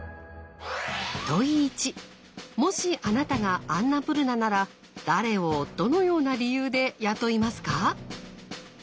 問１もしあなたがアンナプルナなら誰をどのような理由で雇いますか？